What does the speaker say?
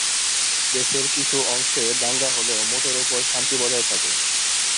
দেশের কিছু অংশে দাঙ্গা হলেও মোটের ওপর শান্তি বজায় থাকে।